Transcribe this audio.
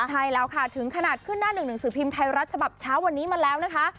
ใช่แล้วค่ะถึงขนาดขึ้นหน้าหนึ่งหนังสือพิมพ์ไทยรัฐฉบับเช้าวันนี้มาแล้วนะคะ